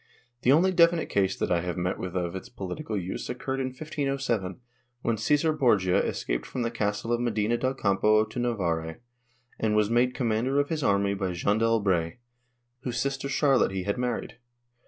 The only definite case that I have met with of its political use occurred in 1507, when Csesar Borgia escaped from the castle of Medina del Campo to Navarre, and was made commander of his army by Jean d'Albret, whose sister Charlotte he had married.